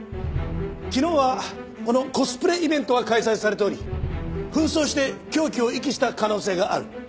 昨日はこのコスプレイベントが開催されており扮装して凶器を遺棄した可能性がある。